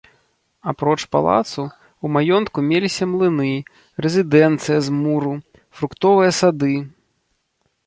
Апроч палацу, у маёнтку меліся млыны, рэзідэнцыя з муру, фруктовыя сады.